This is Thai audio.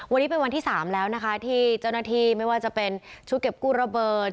วันนี้เป็นวันที่๓แล้วนะคะที่เจ้าหน้าที่ไม่ว่าจะเป็นชุดเก็บกู้ระเบิด